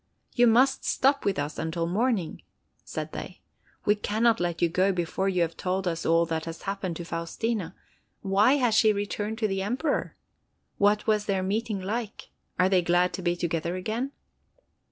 "You must stop with us until morning," said they. "We can not let you go before you have told us all that has happened to Faustina. Why has she returned to the Emperor? What was their meeting like? Are they glad to be together again?"